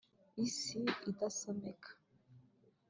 isi idasomeka